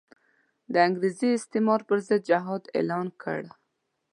د انګریزي استعمار پر ضد جهاد اعلان کړ.